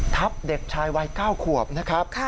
ทับเด็กชายวัย๙ขวบนะครับ